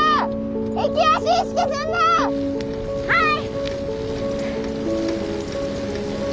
はい！